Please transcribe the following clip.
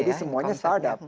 jadi semuanya startup